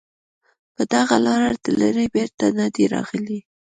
په دغه لاره تللي بېرته نه دي راغلي